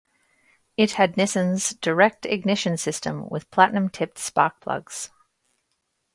It has Nissan's direct ignition system with platinum-tipped spark plugs.